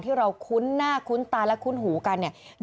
ที่เราคุ้นหน้าคุ้นตาและคุ้นหูกันเนี่ย